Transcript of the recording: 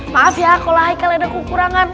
maaf ya kalau haikal ada kekurangan